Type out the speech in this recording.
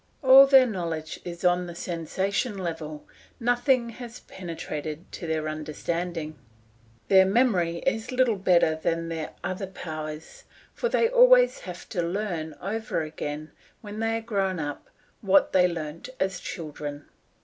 All their knowledge is on the sensation level, nothing has penetrated to their understanding. Their memory is little better than their other powers, for they always have to learn over again, when they are grown up, what they learnt as children.